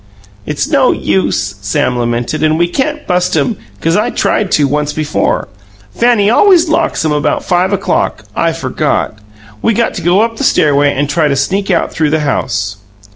"It's no use," Sam lamented, "and we can't bust 'em, cause I tried to, once before. Fanny always locks 'em about five o'clock I forgot. We got to go up the stairway and try to sneak out through the house."